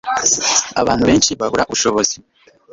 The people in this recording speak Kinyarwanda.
Abantu benshi babura ubushobozi